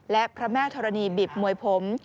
และพระแม่ธรณีบิบมวยผม